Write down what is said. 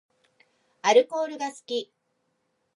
アルコールが好き